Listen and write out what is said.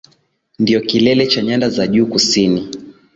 ndiyo kilele cha Nyanda za Juu Kusini